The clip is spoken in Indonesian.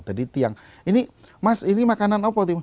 jadi tiang ini mas ini makanan apa